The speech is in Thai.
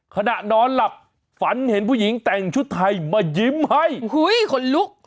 ขณะนอนหลับฝันเห็นผู้หญิงแต่งชุดไทยมายิ้มให้คนลุก